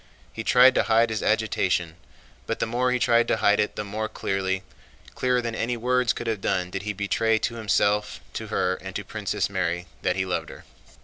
He tried to hide his agitation. But the more he tried to hide it the more clearly—clearer than any words could have done—did he betray to himself, to her, and to Princess Mary that he loved her.